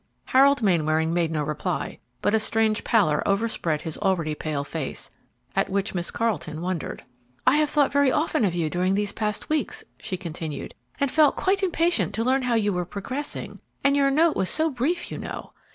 Harold Mainwaring made no reply, but a strange pallor overspread his already pale face, at which Miss Carleton wondered. "I have thought very often of you during these past weeks," she continued, "and felt quite impatient to learn how you were progressing, and your note was so brief, you know.